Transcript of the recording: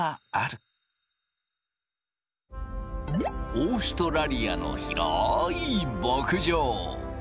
オーストラリアのひろい牧場。